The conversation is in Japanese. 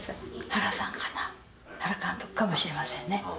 原さんかな、原監督かもしれませんね。